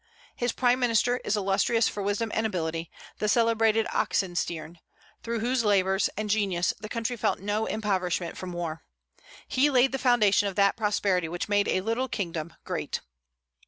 His prime minister is illustrious for wisdom and ability, the celebrated Oxenstiern, through whose labors and genius the country felt no impoverishment from war. He laid the foundation of that prosperity which made a little kingdom great.